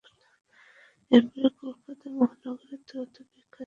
এরপরই কলকাতা মহানগর দ্রুত বিকাশ লাভ করে।